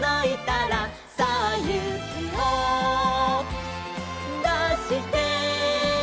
「さあゆうきをだして！」